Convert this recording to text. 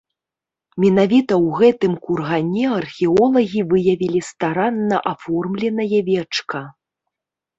Менавіта ў гэтым кургане археолагі выявілі старанна аформленае вечка.